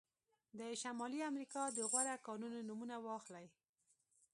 د شمالي امریکا د غوره کانونه نومونه واخلئ.